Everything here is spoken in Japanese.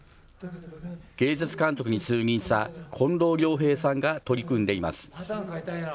芸術監督に就任した近藤良平さんが取り組んでいます。